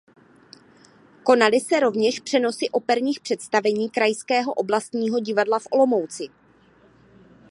Konaly se rovněž přenosy operních představení Krajského oblastního divadla v Olomouci.